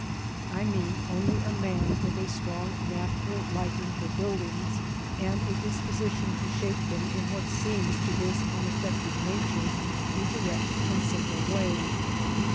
I mean only a man with a strong natural liking for buildings, and a disposition to shape them in what seems to his unaffected nature a direct and simple way.